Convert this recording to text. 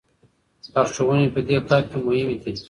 لارښوونې په دې کار کې مهمې دي.